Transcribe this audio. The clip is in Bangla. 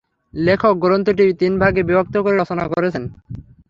লেখক গ্রন্থটি তিন ভাগে বিভক্ত করে রচনা করেছেন।